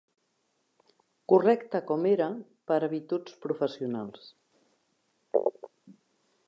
Correcte com era per habituds professionals